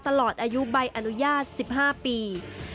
ตลอดอายุใบอนุญาต๑๕ปี